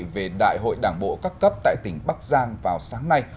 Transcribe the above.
về đại hội đảng bộ các cấp tại tỉnh bắc giang vào sáng nay